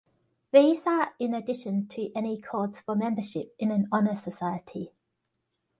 These are in addition to any cords for membership in an honor society.